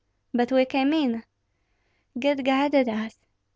"But we came in." "God guided us.